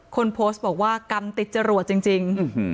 คนโพสต์บอกว่ากรรมติดจรวดจริง